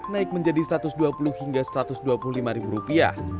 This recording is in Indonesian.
naik menjadi satu ratus dua puluh hingga satu ratus dua puluh lima ribu rupiah